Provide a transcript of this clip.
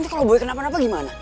iya gak sih